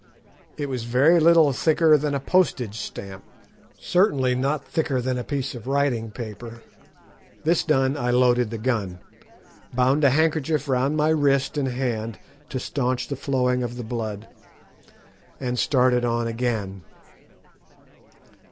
It was very little thicker than a postage stamp; certainly not thicker than a piece of writing paper. This done, I loaded the gun, bound a handkerchief round my wrist and hand to staunch the flowing of the blood, and started on again.